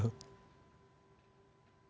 jadi pelajaran dalam berbicara